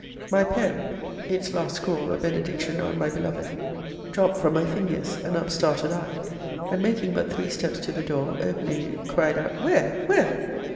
My pen (its last scrawl a benediction on my beloved) dropped from my fingers; and up started I; and making but three steps to the door, opening it, cried out, Where! Where!